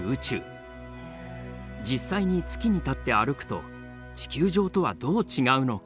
実際に月に立って歩くと地球上とはどう違うのか？